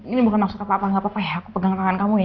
ini bukan maksud apa apa nggak apa apa ya aku pegang tangan kamu ya